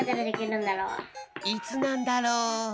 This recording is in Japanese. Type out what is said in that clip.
いつなんだろう？